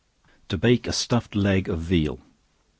To Bake a Stuffed Leg of Veal.